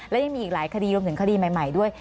และยังมีอีกหลายคดีรวมถึงคดีใหม่ด้วย